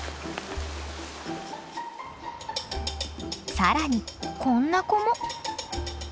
更にこんな子も。